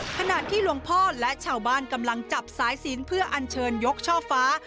ขณะที่หลวงพ่อและชาวบ้านกำลังจับสายศีลเพื่ออัญเชิญยกช่อฟ้า